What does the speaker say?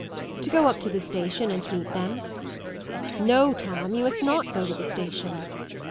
"To go up to the station and meet them." "No, Tom. You must not go to the station."